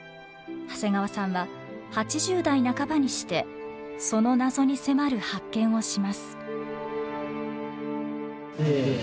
長谷川さんは８０代半ばにしてその謎に迫る発見をします。